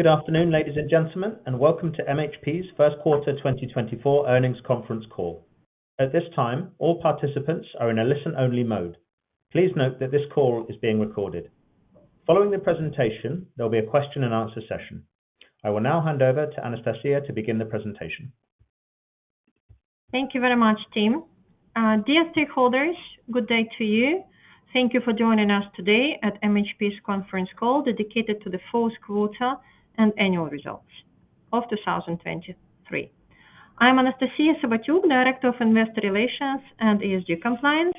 Good afternoon, ladies and gentlemen, and welcome to MHP's first quarter 2024 earnings conference call. At this time, all participants are in a listen-only mode. Please note that this call is being recorded. Following the presentation, there'll be a question and answer session. I will now hand over to Anastasiya to begin the presentation. Thank you very much, Tim. Dear stakeholders, good day to you. Thank you for joining us today at MHP's conference call, dedicated to the fourth quarter and annual results of 2023. I'm Anastasiya Sobotyuk, Director of Investor Relations and ESG Compliance.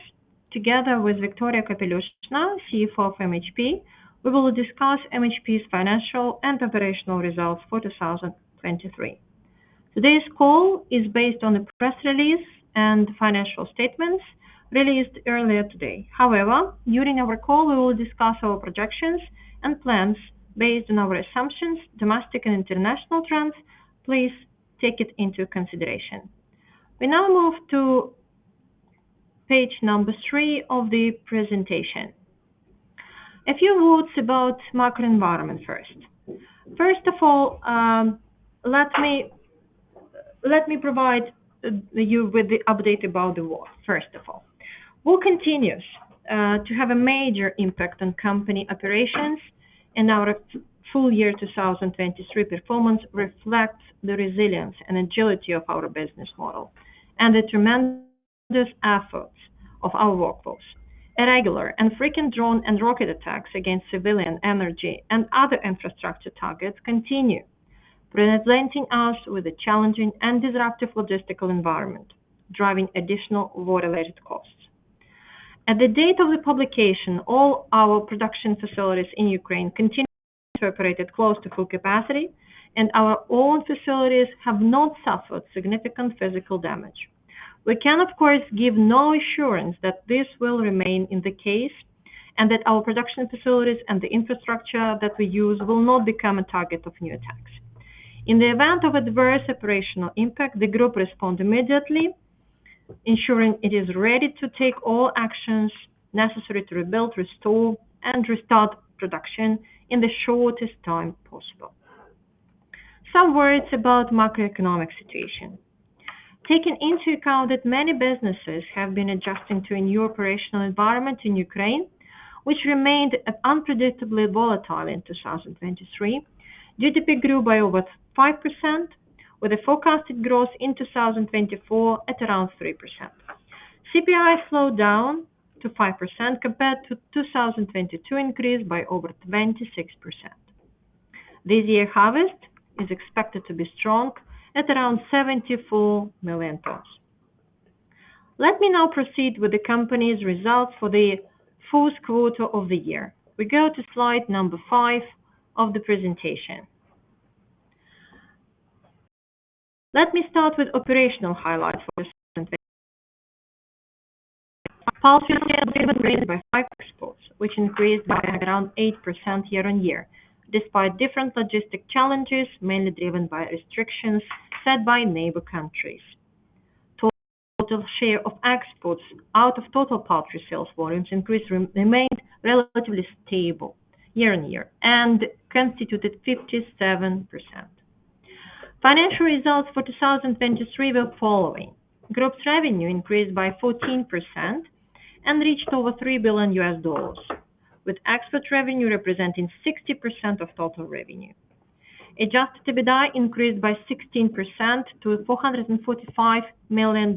Together with Viktoria Kapelyushna, CFO of MHP, we will discuss MHP's financial and operational results for 2023. Today's call is based on a press release and financial statements released earlier today. However, during our call, we will discuss our projections and plans based on our assumptions, domestic and international trends. Please take it into consideration. We now move to page three of the presentation. A few words about market environment first. First of all, let me provide you with the update about the war, first of all. War continues to have a major impact on company operations, and our full year 2023 performance reflects the resilience and agility of our business model and the tremendous efforts of our workforce. Irregular and frequent drone and rocket attacks against civilian, energy, and other infrastructure targets continue, presenting us with a challenging and disruptive logistical environment, driving additional war-related costs. At the date of the publication, all our production facilities in Ukraine continue to operate at close to full capacity, and our own facilities have not suffered significant physical damage. We can, of course, give no assurance that this will remain the case, and that our production facilities and the infrastructure that we use will not become a target of new attacks. In the event of adverse operational impact, the group responds immediately, ensuring it is ready to take all actions necessary to rebuild, restore, and restart production in the shortest time possible. Some words about macroeconomic situation. Taking into account that many businesses have been adjusting to a new operational environment in Ukraine, which remained unpredictably volatile in 2023, GDP grew by over 5%, with a forecasted growth in 2024 at around 3%. CPI slowed down to 5%, compared to 2022 increase by over 26%. This year, harvest is expected to be strong at around 74 million tons. Let me now proceed with the company's results for the fourth quarter of the year. We go to slide number five of the presentation. Let me start with operational highlights for Poultry sales were driven by high exports, which increased by around 8% year-on-year, despite different logistic challenges, mainly driven by restrictions set by neighbor countries. Total share of exports out of total poultry sales volumes increased, remained relatively stable year-on-year and constituted 57%. Financial results for 2023 were following: Group's revenue increased by 14% and reached over $3 billion, with export revenue representing 60% of total revenue. Adjusted EBITDA increased by 16% to $445 million,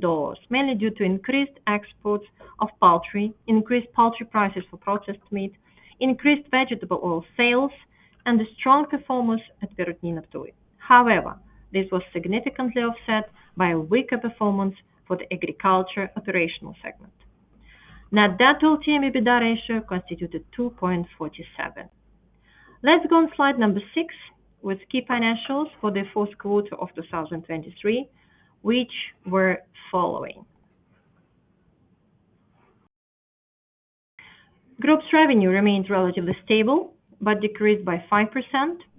mainly due to increased exports of poultry, increased poultry prices for processed meat, increased vegetable oil sales, and a strong performance at Perutnina Ptuj. However, this was significantly offset by a weaker performance for the agriculture operational segment. Net debt to EBITDA ratio constituted 2.47. Let's go on slide six with key financials for the fourth quarter of 2023, which were following. Group's revenue remains relatively stable, but decreased by 5%,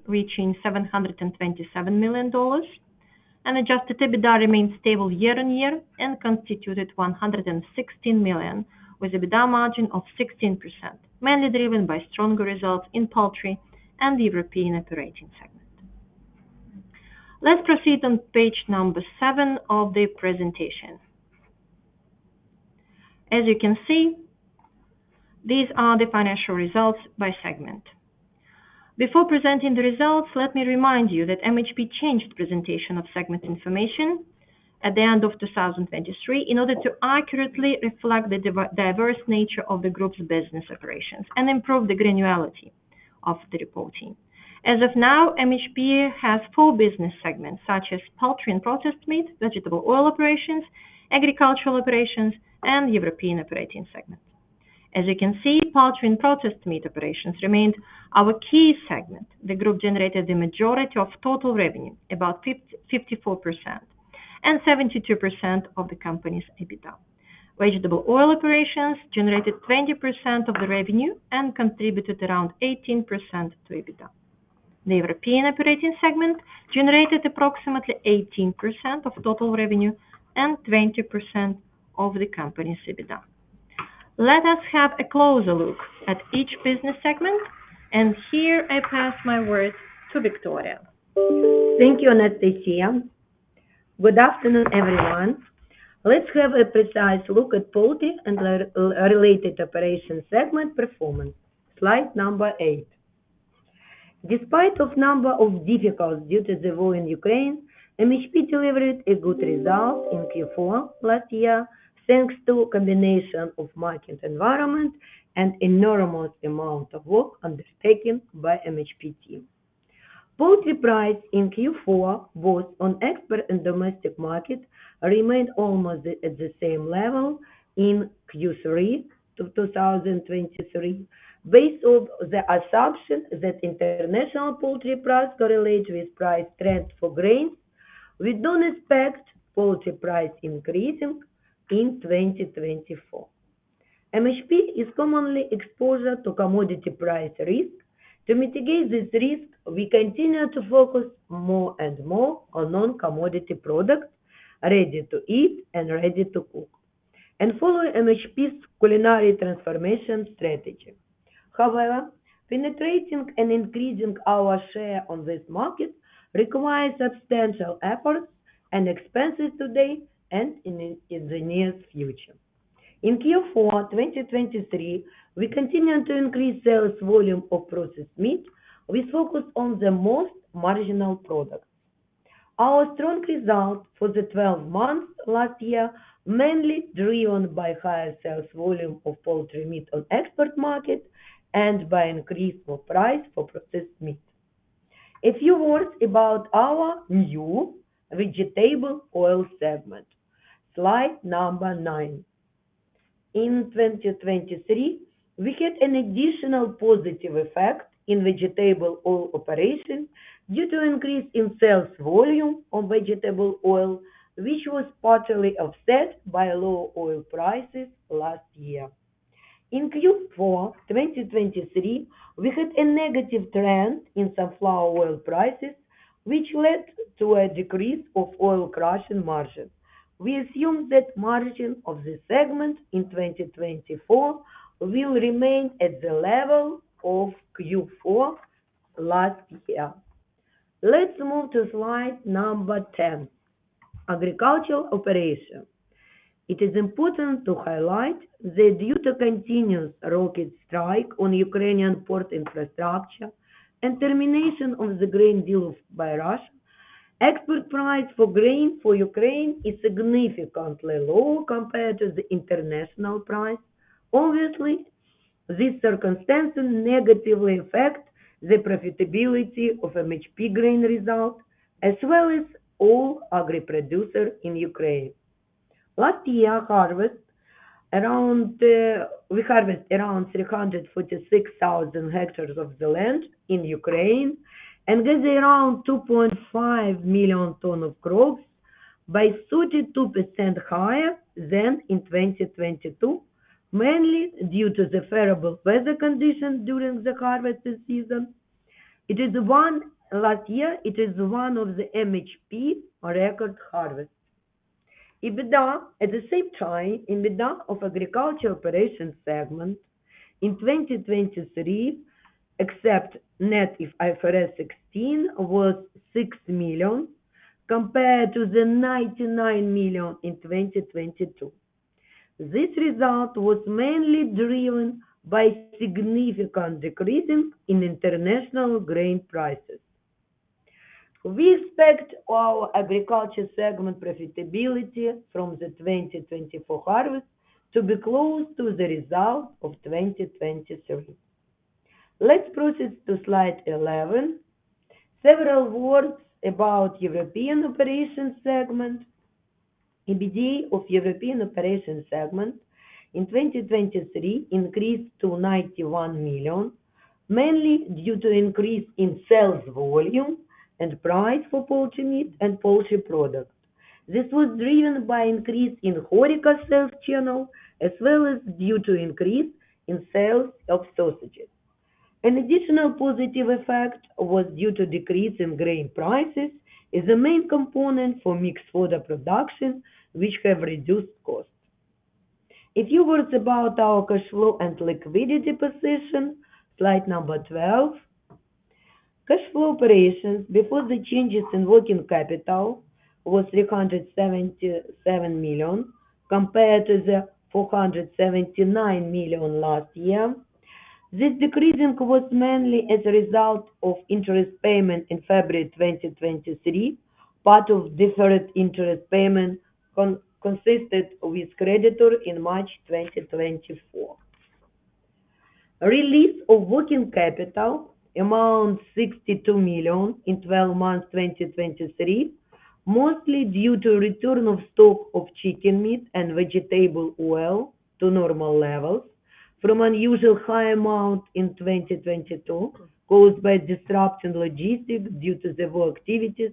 reaching $727 million, and adjusted EBITDA remains stable year-on-year and constituted $116 million, with EBITDA margin of 16%, mainly driven by stronger results in poultry and the European operating segment. Let's proceed on page seven of the presentation. As you can see, these are the financial results by segment. Before presenting the results, let me remind you that MHP changed presentation of segment information at the end of 2023 in order to accurately reflect the diverse nature of the group's business operations and improve the granularity of the reporting. As of now, MHP has four business segments, such as poultry and processed meat, vegetable oil operations, agricultural operations, and European operating segment. As you can see, poultry and processed meat operations remained our key segment. The group generated the majority of total revenue, about 54% and 72% of the company's EBITDA. Vegetable oil operations generated 20% of the revenue and contributed around 18% to EBITDA. The European operating segment generated approximately 18% of total revenue and 20% of the company's EBITDA. Let us have a closer look at each business segment, and here I pass my word to Viktoria. Thank you, Anastasiya. Good afternoon, everyone. Let's have a precise look at poultry and related operating segment performance. Slide number eight. Despite a number of difficulties due to the war in Ukraine, MHP delivered a good result in Q4 last year, thanks to a combination of market environment and enormous amount of work undertaken by the MHP team. Poultry price in Q4, both on export and domestic market, remained almost at the same level as in Q3 of 2023. Based on the assumption that international poultry prices correlate with price trend for grains, we don't expect poultry prices increasing in 2024. MHP is commonly exposed to commodity price risk. To mitigate this risk, we continue to focus more and more on non-commodity products, ready-to-eat and ready-to-cook, and follow MHP's culinary transformation strategy. However, penetrating and increasing our share on this market requires substantial efforts and expenses today and in the near future. In Q4 2023, we continued to increase sales volume of processed meat. We focused on the most marginal products. Our strong result for the 12 months last year, mainly driven by higher sales volume of poultry meat on export market and by increase of price for processed meat. A few words about our new vegetable oil segment. Slide number nine. In 2023, we had an additional positive effect in vegetable oil operation due to increase in sales volume of vegetable oil, which was partially offset by low oil prices last year. In Q4 2023, we had a negative trend in sunflower oil prices, which led to a decrease of oil crushing margin. We assume that margin of this segment in 2024 will remain at the level of Q4 last year. Let's move to slide number 10, agricultural operation. It is important to highlight that due to continuous rocket strikes on Ukrainian port infrastructure and termination of the grain deal by Russia, export price for grain for Ukraine is significantly lower compared to the international price. Obviously, these circumstances negatively affect the profitability of MHP grain result, as well as all agri producers in Ukraine. Last year we harvested around 346,000 hectares of the land in Ukraine, and this is around 2.5 million tons of crops, 32% higher than in 2022, mainly due to the favorable weather conditions during the harvesting season. Last year, it is one of the MHP record harvests. EBITDA, at the same time, EBITDA of agriculture operation segment in 2023, ex net of IFRS 16, was $6 million, compared to the $99 million in 2022. This result was mainly driven by significant decrease in international grain prices. We expect our agriculture segment profitability from the 2024 harvest to be close to the result of 2023. Let's proceed to slide 11. Several words about European operation segment. EBITDA of European operation segment in 2023 increased to $91 million, mainly due to increase in sales volume and price for poultry meat and poultry products. This was driven by increase in HoReCa sales channel, as well as due to increase in sales of sausages. An additional positive effect was due to decrease in grain prices, is the main component for mixed fodder production, which have reduced costs. A few words about our cash flow and liquidity position, slide number 12. Cash flow operations before the changes in working capital was $377 million, compared to the $479 million last year. This decrease was mainly as a result of interest payment in February 2023. Part of deferred interest payment consented with creditor in March 2024. Release of working capital amount $62 million in 12 months, 2023, mostly due to return of stock of chicken meat and vegetable oil to normal levels from unusually high amount in 2022, caused by disruption in logistics due to the war activities.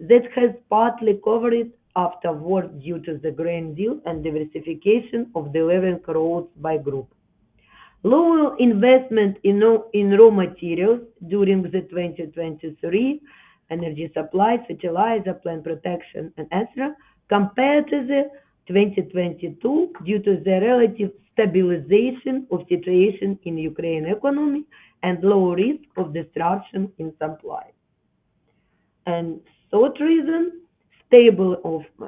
This has partly recovered afterwards due to the grain deal and diversification of delivery routes by group. Lower investment in raw materials during 2023, energy supply, fertilizer, plant protection, and etc., compared to 2022, due to the relative stabilization of situation in Ukrainian economy and low risk of disruption in supply. Third reason, stable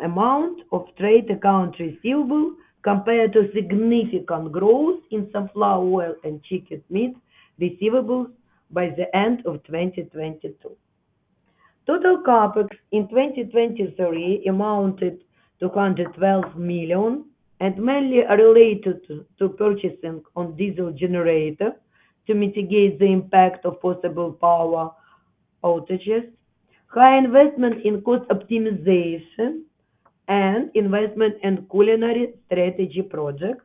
amount of trade accounts receivable compared to significant growth in sunflower oil and chicken meat receivables by the end of 2022. Total CapEx in 2023 amounted to $112 million, and mainly are related to purchasing of diesel generators to mitigate the impact of possible power outages, high investment in cost optimization and investment in culinary strategy project,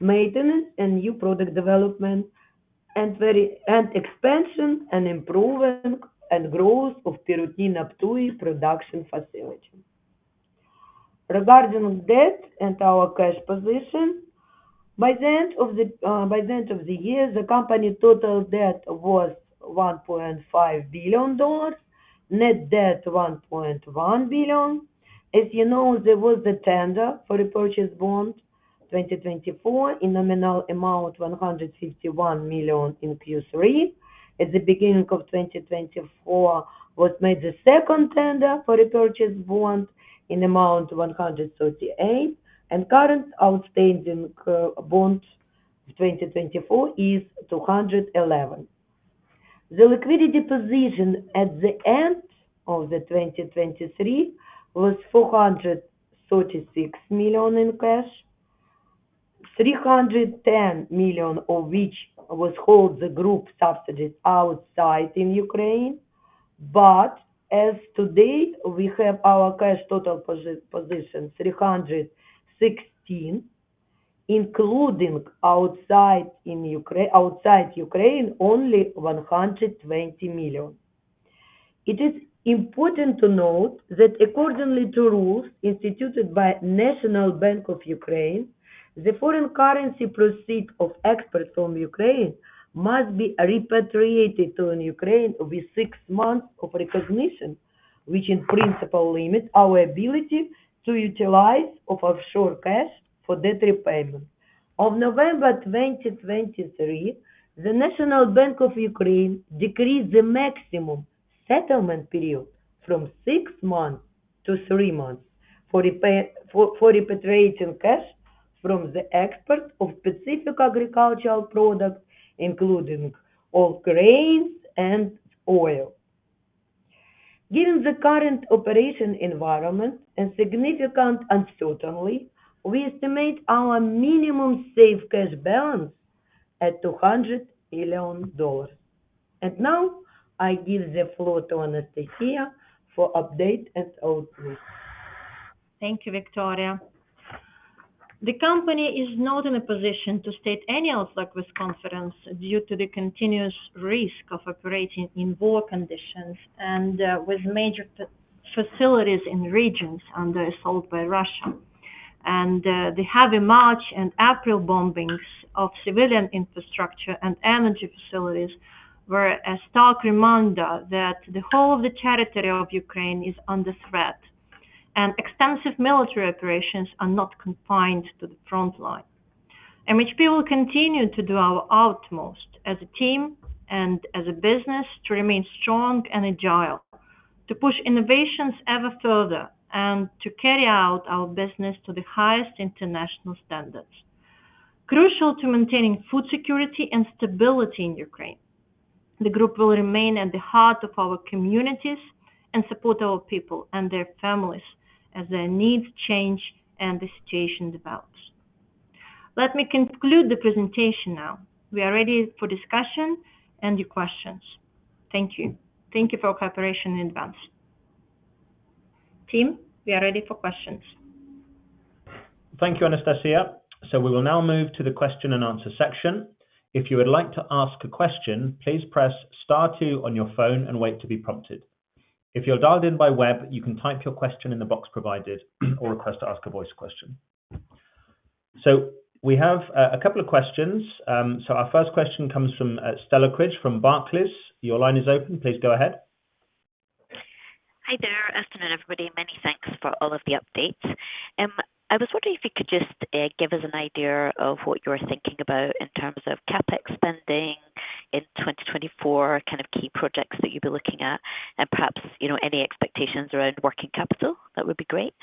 maintenance and new product development, and expansion and improving and growth of Perutnina Ptuj production facility. Regarding debt and our cash position, by the end of the year, the company's total debt was $1.5 billion, net debt $1.1 billion. As you know, there was a tender for repurchase bond 2024 in nominal amount $151 million in Q3. At the beginning of 2024, we made the second tender for repurchase bond in amount $138 million, and current outstanding bonds 2024 is $211 million. The liquidity position at the end of 2023 was $436 million in cash, $310 million of which was held by the group subsidiaries outside Ukraine. But as of today, we have our cash total position $316 million, including outside Ukraine only $120 million. It is important to note that according to rules instituted by National Bank of Ukraine, the foreign currency proceeds of exports from Ukraine must be repatriated to Ukraine within six months of recognition, which in principle limits our ability to utilization of offshore cash for debt repayment. As of November 2023, the National Bank of Ukraine decreased the maximum settlement period from six months to three months for repatriating cash from the export of specific agricultural products, including all grains and oil. Given the current operating environment and significant uncertainty, we estimate our minimum safe cash balance at $200 million. And now, I give the floor to Anastasiya for an update and outlook. Thank you, Viktoria. The company is not in a position to state any outlook with confidence due to the continuous risk of operating in war conditions and with major facilities in regions under assault by Russia. The heavy March and April bombings of civilian infrastructure and energy facilities were a stark reminder that the whole of the territory of Ukraine is under threat, and extensive military operations are not confined to the front line. MHP will continue to do our utmost as a team and as a business to remain strong and agile, to push innovations ever further, and to carry out our business to the highest international standards, crucial to maintaining food security and stability in Ukraine. The group will remain at the heart of our communities and support our people and their families as their needs change and the situation develops. Let me conclude the presentation now. We are ready for discussion and your questions. Thank you. Thank you for your cooperation in advance. Team, we are ready for questions. Thank you, Anastasiya. We will now move to the question and answer section. If you would like to ask a question, please press star two on your phone and wait to be prompted. If you're dialed in by web, you can type your question in the box provided or request to ask a voice question. We have a couple of questions. Our first question comes from Stella Cridge from Barclays. Your line is open, please go ahead. Hi there. Afternoon, everybody, many thanks for all of the updates. I was wondering if you could just give us an idea of what you're thinking about in terms of CapEx spending in 2024, kind of key projects that you'd be looking at, and perhaps, you know, any expectations around working capital, that would be great.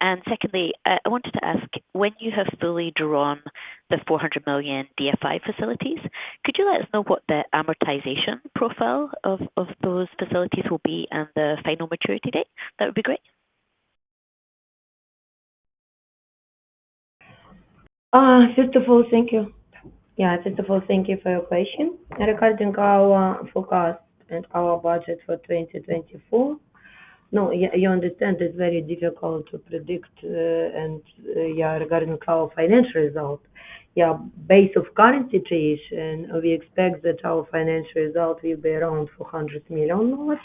And secondly, I wanted to ask, when you have fully drawn the $400 million DFI facilities, could you let us know what the amortization profile of those facilities will be and the final maturity date? That would be great. First of all, thank you. Yeah, first of all, thank you for your question. Regarding our forecast and our budget for 2024, you understand it's very difficult to predict, regarding our financial result. Yeah, based on current situation, we expect that our financial result will be around $400 million.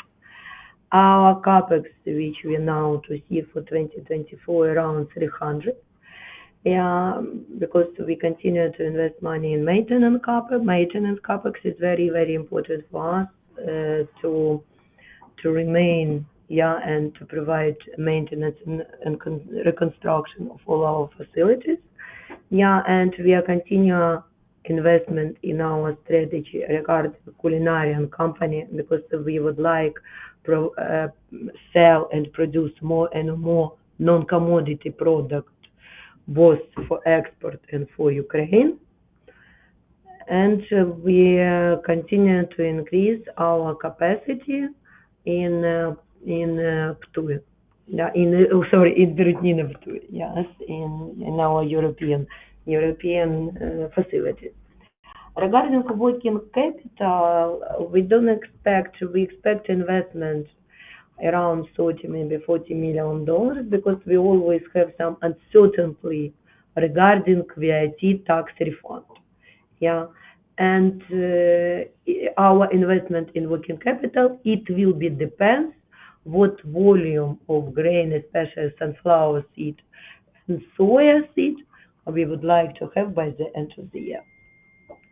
Our CapEx, which we announced this year for 2024, around $300 million. Yeah, because we continue to invest money in maintenance CapEx. Maintenance CapEx is very, very important for us, to remain, and to provide maintenance and reconstruction of all our facilities. Yeah, and we continue our investment in our strategy regarding the Ukrainian company, because we would like to sell and produce more and more non-commodity products, both for export and for Ukraine. We are continuing to increase our capacity in Ptuj. Sorry, yes, in our European facility. Regarding working capital, we don't expect. We expect investment around $30 million, maybe $40 million, because we always have some uncertainty regarding VAT tax refund. Our investment in working capital, it will be depends what volume of grain, especially sunflower seed and soya seed, we would like to have by the end of the year.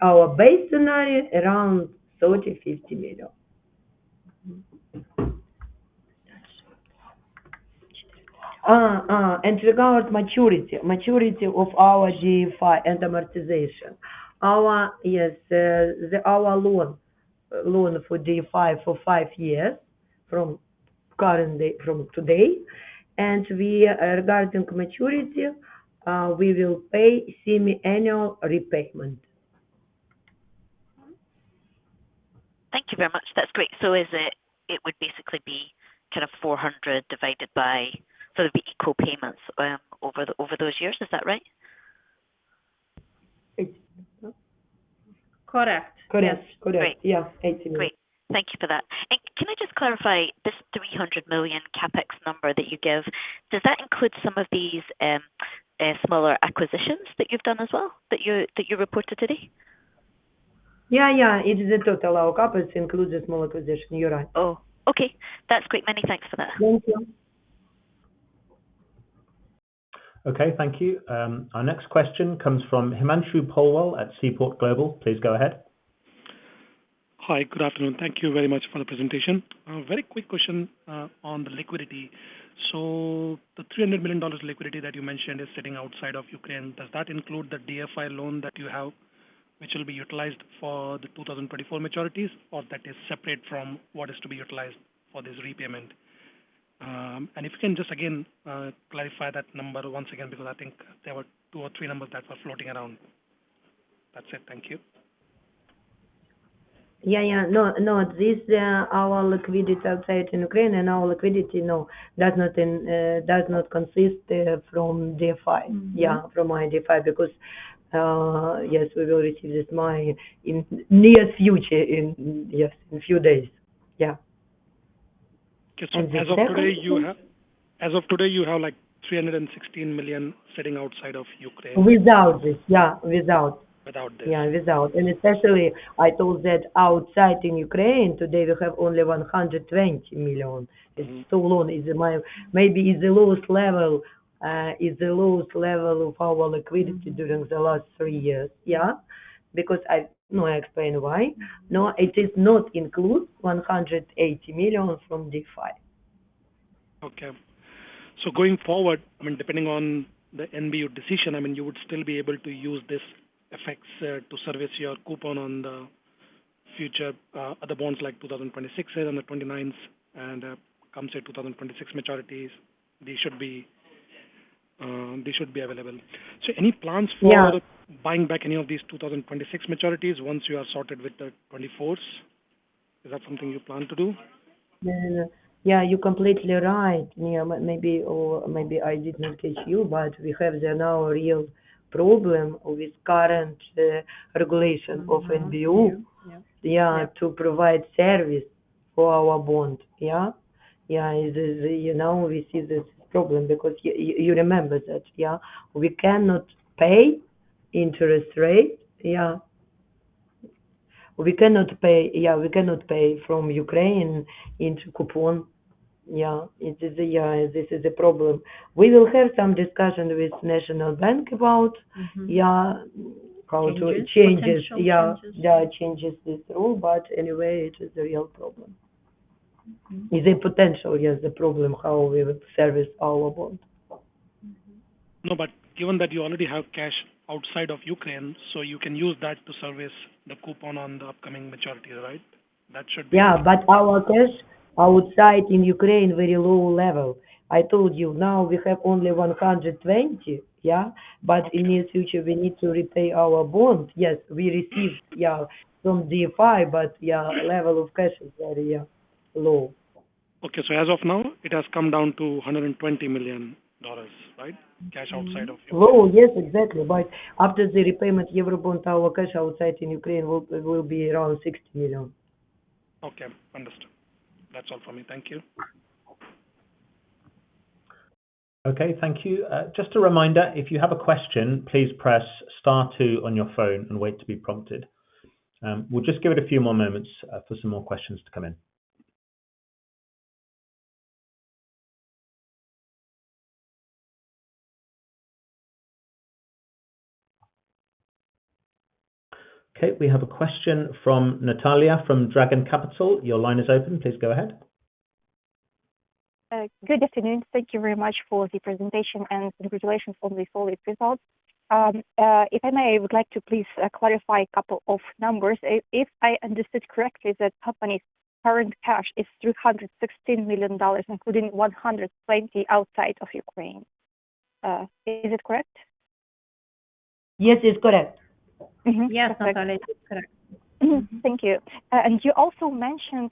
Our base scenario, around $30 million-$50 million. And regarding maturity of our DFI and amortization. Our loan for DFI for five years from current date, from today, and regarding maturity, we will pay semi-annual repayment. Thank you very much. That's great. So is it, it would basically be kind of 400 divided by, so it would be equal payments, over, over those years? Is that right? Correct. Correct. Correct Great. Yeah, $80 million. Great. Thank you for that. Can I just clarify, this $300 million CapEx number that you gave, does that include some of these smaller acquisitions that you've done as well, that you reported today? Yeah, yeah. It is the total. Our CapEx includes the small acquisition. You're right. Oh, okay. That's great. Many thanks for that. Thank you. Okay, thank you. Our next question comes from Himanshu Porwal at Seaport Global. Please go ahead. Hi, good afternoon. Thank you very much for the presentation. Very quick question on the liquidity. So the $300 million liquidity that you mentioned is sitting outside of Ukraine, does that include the DFI loan that you have, which will be utilized for the 2024 maturities, or that is separate from what is to be utilized for this repayment? And if you can just again clarify that number once again, because I think there were two or three numbers that were floating around. That's it. Thank you. Yeah, yeah. No, no, this, our liquidity outside in Ukraine, and our liquidity, no, does not in, does not consist, from DFI. Yeah, from our DFI, because, yes, we will receive this money in near future, in yes, in few days. Yeah. Just so, as of today, you have The second question As of today, you have, like, $316 million sitting outside of Ukraine? Without this. Yeah, without. Without this. Yeah, without. Especially, I told that outside in Ukraine, today, we have only $120 million. Mm-hmm. This sole loan is mine, maybe is the lowest level, is the lowest level of our liquidity during the last three years. Yeah? Because I. No, it does not include $180 million from DFI. Okay. So going forward, I mean, depending on the NBU decision, I mean, you would still be able to use these effects to service your coupon on the future other bonds, like 2026 and the 2029s, and come, say, 2026 maturities, they should be available. So any plans for Yeah buying back any of these 2026 maturities once you are sorted with the 2024s? Is that something you plan to do? Yeah. Yeah, you're completely right. Yeah, maybe or maybe I did not tell you, but we have the now real problem with current regulation of NBU. Mm-hmm. Yeah. Yeah, to provide service for our bond. Yeah? Yeah, it is, you know, we see this problem because you remember that, yeah, we cannot pay interest rate. Yeah. We cannot pay... Yeah, we cannot pay from Ukraine into coupon. Yeah. It is, yeah, this is a problem. We will have some discussion with National Bank about- Mm-hmm... yeah, how to- Changes... changes. Potential changes. Yeah, yeah, changes this rule, but anyway, it is a real problem. Mm-hmm. Is a potential, yes, a problem, how we would service our bond. Mm-hmm. No, but given that you already have cash outside of Ukraine, so you can use that to service the coupon on the upcoming maturities, right? That should be Yeah, but our cash outside in Ukraine, very low level. I told you, now we have only $120, yeah? But in near future, we need to repay our bond. Yes, we received, yeah, from DFI, but yeah, level of cash is very low. Okay, so as of now, it has come down to $120 million, right? Cash outside of Ukraine. Low, yes, exactly, but after the repayment Eurobond, our cash outside in Ukraine will be around $60 million. Okay, understood. That's all for me. Thank you. Okay, thank you. Just a reminder, if you have a question, please press star two on your phone and wait to be prompted. We'll just give it a few more moments for some more questions to come in. Okay, we have a question from Natalia from Dragon Capital. Your line is open, please go ahead. Good afternoon. Thank you very much for the presentation, and congratulations on the solid results. If I may, I would like to please clarify a couple of numbers. If I understood correctly, the company's current cash is $316 million, including $120 million outside of Ukraine. Is it correct? Yes, it's correct. Mm-hmm. Yes, Natalia, it's correct. Thank you. You also mentioned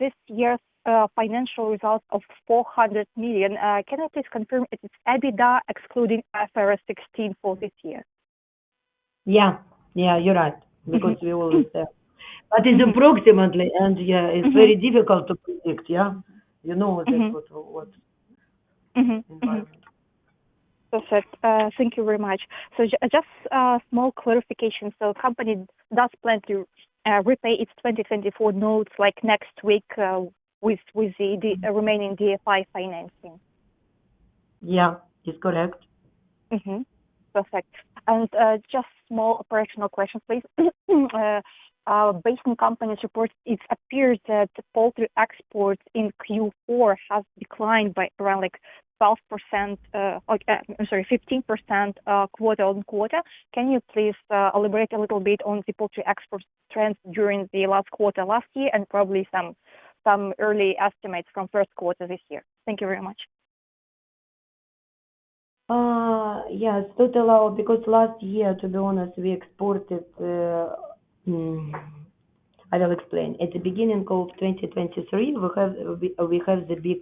this year's financial results of $400 million. Can you please confirm if it's EBITDA excluding IFRS 16 for this year? Yeah. Yeah, you're right. Mm-hmm. Because we will. But it's approximately, and yeah, Mm-hmm. It's very difficult to predict, yeah? You know Mm-hmm. what, what. Mm-hmm, mm-hmm. environment. Perfect. Thank you very much. Just small clarification. So company does plan to repay its 2024 notes, like, next week with the remaining DFI financing? Yeah, it's correct. Mm-hmm, perfect. And just small operational question, please. Based on company's reports, it appears that poultry exports in Q4 have declined by around, like, 12%, or, I'm sorry, 15%, quarter-on-quarter. Can you please elaborate a little bit on the poultry export trends during the last quarter, last year, and probably some early estimates from first quarter this year? Thank you very much. Yes, total out, because last year, to be honest, we exported. I will explain. At the beginning of 2023, we have the big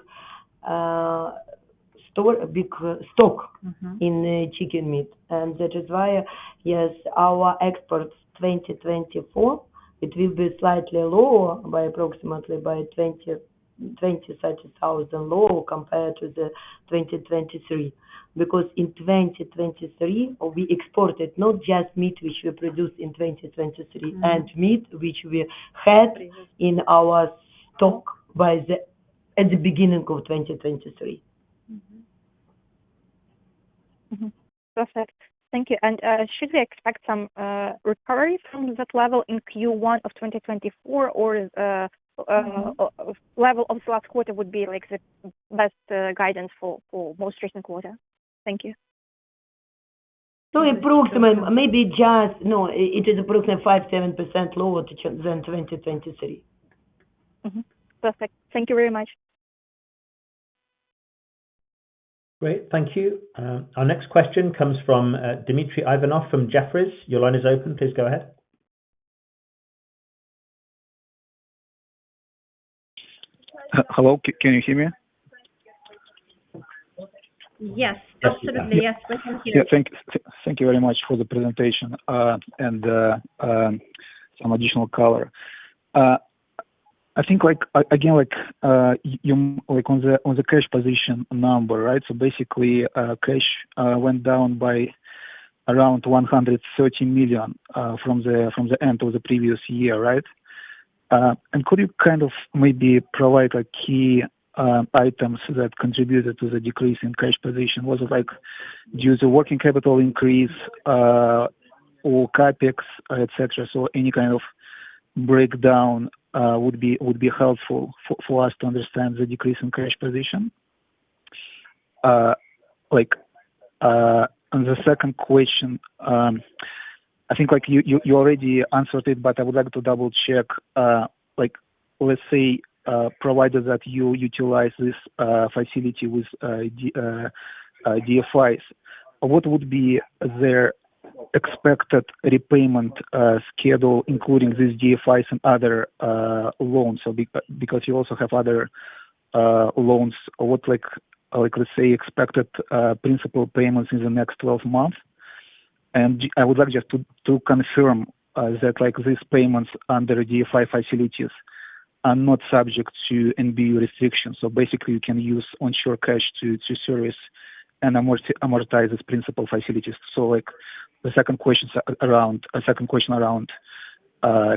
store, big stock Mm-hmm in chicken meat, and that is why, yes, our exports 2024, it will be slightly lower by approximately 20,000-30,000 lower compared to the 2023. Because in 2023, we exported not just meat which we produced in 2023 Mm-hmm and meat which we had in our stock at the beginning of 2023. Mm-hmm, perfect. Thank you. And should we expect some recovery from that level in Q1 of 2024, or Mm-hmm level of last quarter would be, like, the best guidance for most recent quarter? Thank you. So, no, it is approximately 5.7% lower than 2023. Mm-hmm. Perfect. Thank you very much. Great, thank you. Our next question comes from Dmitry Ivanov from Jefferies. Your line is open, please go ahead. Hello, can you hear me? Yes, absolutely. Yes, we can hear you. Yeah, thank you very much for the presentation and some additional color. I think, like, again, like, you like on the cash position number, right? So basically, cash went down by around $130 million from the end of the previous year, right? And could you kind of maybe provide, like, key items that contributed to the decrease in cash position? Was it, like, due to working capital increase or CapEx, etc? So any kind of breakdown would be helpful for us to understand the decrease in cash position. Like, on the second question, I think, like, you already answered it, but I would like to double-check. Like, let's say, provided that you utilize this facility with DFIs, what would be their expected repayment schedule, including these DFIs and other loans? So because you also have other loans, what like, like, let's say, expected principal payments in the next 12 months? I would like just to confirm that, like, these payments under DFI facilities are not subject to NBU restrictions. So basically, you can use onshore cash to service and amortize these principal facilities. So, like, the second question around, second question around,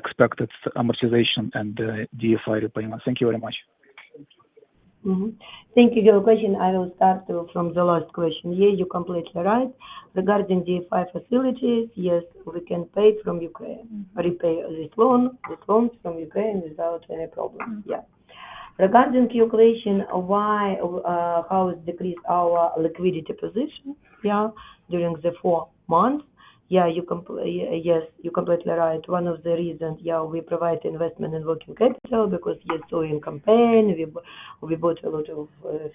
expected amortization and, DFI repayment. Thank you very much. Mm-hmm. Thank you for your question. I will start from the last question. Yeah, you're completely right. Regarding DFI facilities, yes, we can pay from Ukraine, repay this loan, this loans from Ukraine without any problems. Yeah. Regarding your question, why, how it decreased our liquidity position, yeah, during the four months, yeah, yes, you're completely right. One of the reasons, yeah, we provide investment in working capital, because, yes, so in campaign, we bought a lot of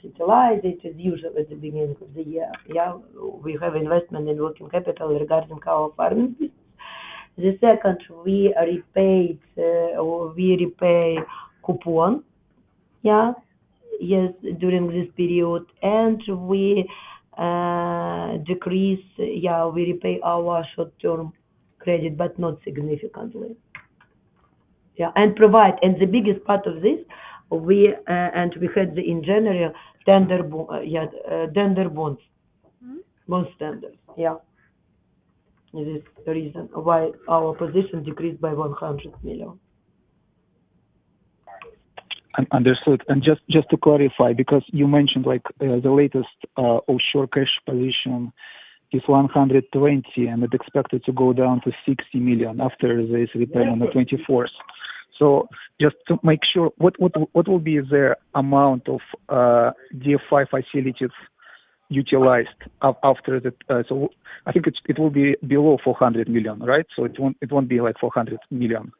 fertilizer, it is usual at the beginning of the year, yeah. We have investment in working capital regarding our farming business. The second, we repaid, or we repay coupon, yeah, yes, during this period, and we, decrease, yeah, we repay our short-term credit, but not significantly. Yeah, and the biggest part of this, we, and we had the in January tender bond, yeah, tender bonds. Bond tenders, yeah. It is the reason why our position decreased by $100 million. Understood. And just to clarify, because you mentioned, like, the latest offshore cash position is $120 million, and it expected to go down to $60 million after this repayment on the 24th. So just to make sure, what will be the amount of DFI facilities utilized after the. So I think it's, it will be below $400 million, right? So it won't be like $400 million.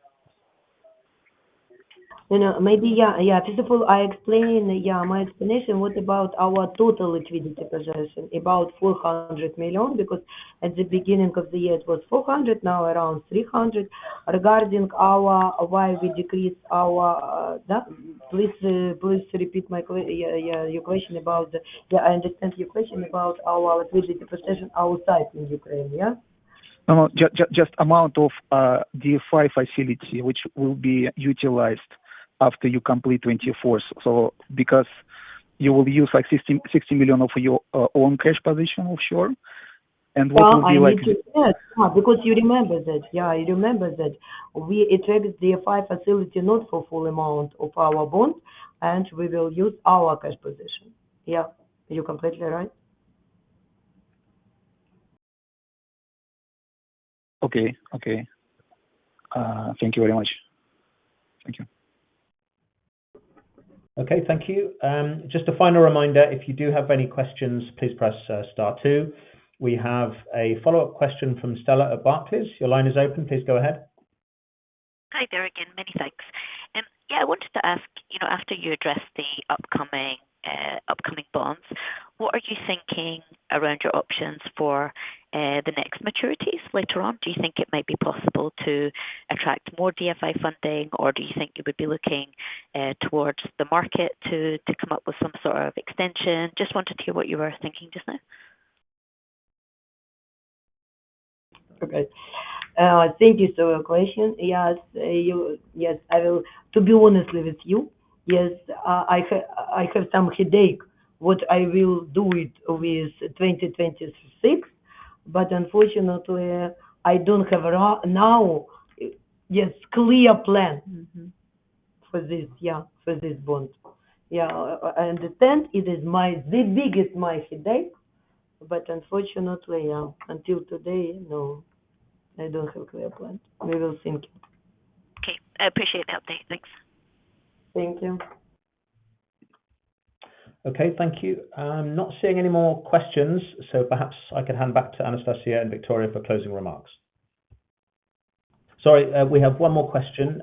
You know, maybe, yeah, yeah. First of all, I explain, yeah, my explanation was about our total liquidity position, about $400 million, because at the beginning of the year, it was $400 million, now around $300 million. Regarding our, why we decreased our. Please, please repeat. Yeah, yeah, your question about the. Yeah, I understand your question about our liquidity position outside in Ukraine, yeah? No, no, just amount of DFI facility, which will be utilized after you complete 2024. So because you will use, like, $60 million of your own cash position offshore, and what will be like I need to add, because you remember that, yeah, you remember that we attracted DFI facility not for full amount of our bonds, and we will use our cash position. Yeah, you're completely right. Okay. Okay. Thank you very much. Thank you. Okay, thank you. Just a final reminder, if you do have any questions, please press star two. We have a follow-up question from Stella at Barclays. Your line is open. Please go ahead. Hi there again, many thanks. Yeah, I wanted to ask, you know, after you address the upcoming bonds, what are you thinking around your options for the next maturities later on? Do you think it might be possible to attract more DFI funding, or do you think you would be looking towards the market to come up with some sort of extension? Just wanted to hear what you were thinking just now. Okay. Thank you for your question. Yes. Yes, I will. To be honest with you, yes, I have some headache what I will do it with 2026, but unfortunately, I don't have a now yes clear plan. For this, yeah, for this bond. Yeah, I understand. It is my, the biggest, my headache, but unfortunately, until today, no, I don't have clear plan. We will think. Okay. I appreciate the update. Thanks. Thank you. Okay, thank you. I'm not seeing any more questions, so perhaps I could hand back to Anastasiya and Viktoria for closing remarks. Sorry, we have one more question.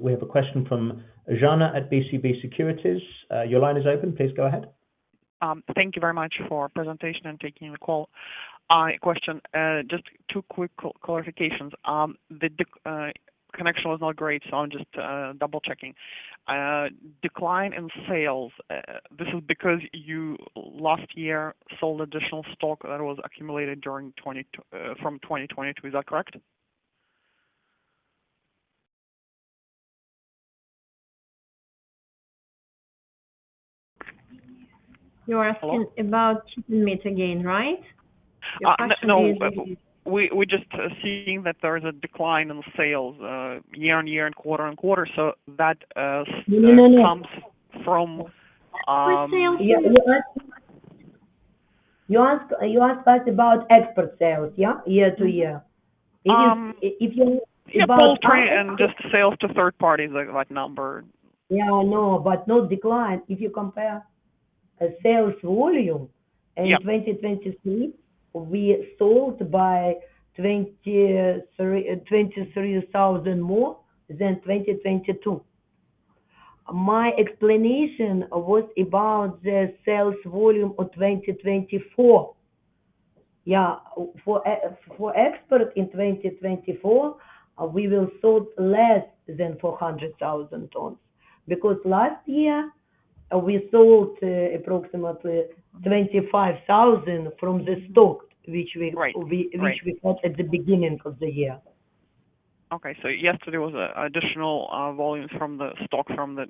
We have a question from Yana at BCP Securities. Your line is open. Please go ahead. Thank you very much for presentation and taking the call. Question, just two quick clarifications. The connection was not great, so I'm just double-checking. Decline in sales, this is because you last year sold additional stock that was accumulated from 2022. Is that correct? You're asking Hello? About chicken meat again, right? No. We're just seeing that there is a decline in sales year-over-year and quarter-over-quarter. So that, No, no, no. Comes from. Food sales. Yeah, you ask, you ask, you asked us about export sales, yeah, year-to-year? If you Yeah, poultry and just sales to third parties, like, like numbers. Yeah, I know, but no decline. If you compare a sales volume Yeah. In 2023, we sold by 23,000 more than 2022. My explanation was about the sales volume of 2024. Yeah, for export in 2024, we will sold less than 400,000 tons, because last year, we sold approximately 25,000 from the stock, which we Right. Which we got at the beginning of the year. Okay, so yesterday was an additional volume from the stock from the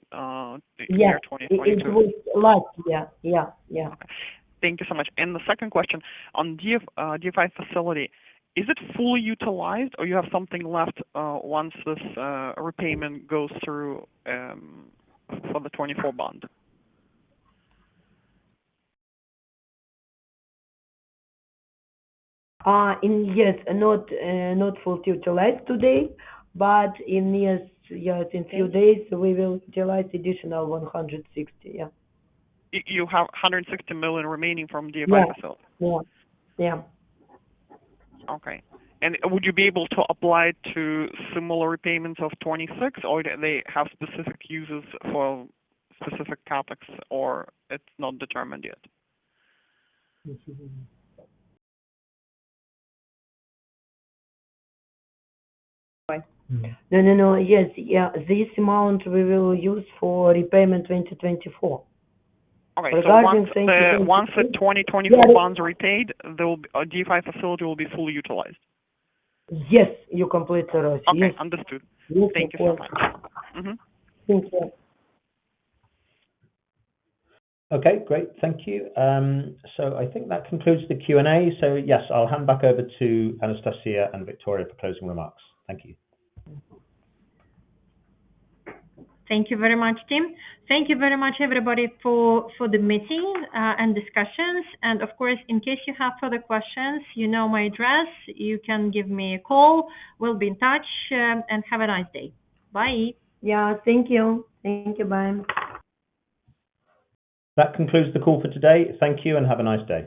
year 2022. Yeah, it was less. Yeah, yeah, yeah. Thank you so much. The second question on DFI facility, is it fully utilized or you have something left, once this repayment goes through, for the 2024 bond? And yet, not fully utilized today, but in a few days, we will utilize additional 160. You have $160 million remaining from DFI facility? Yes. Yes. Yeah. Okay. And would you be able to apply to similar repayments of 26, or do they have specific uses for specific CapEx, or it's not determined yet? No, no, no. Yes, yeah. This amount we will use for repayment 2024. Okay. Regarding 2024 So once the 2024 bonds are repaid, there will be, DFI facility will be fully utilized? Yes, you completely right. Yes. Okay, understood. Yes, of course. Thank you for the time. Mm-hmm. Thank you. Okay, great. Thank you. So I think that concludes the Q&A. So yes, I'll hand back over to Anastasiya and Viktoria for closing remarks. Thank you. Thank you very much, Tim. Thank you very much, everybody, for the meeting and discussions. Of course, in case you have further questions, you know my address, you can give me a call. We'll be in touch, and have a nice day. Bye. Yeah, thank you. Thank you. Bye. That concludes the call for today. Thank you and have a nice day.